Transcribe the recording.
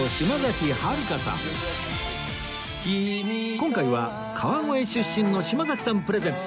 今回は川越出身の島崎さんプレゼンツ！